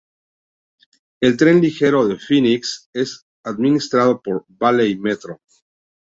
El Tren Ligero de Phoenix es administrado por Valley Metro.